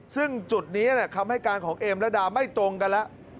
ซึ่งจุดนี้คำให้การของเอมระดาไม่ตรงกันแล้ว